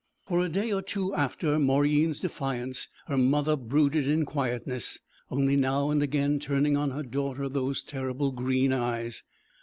For a day or two after Mauryeen's defiance her mother brooded in quietness, only now and again turning on her daughter those terrible green eyes.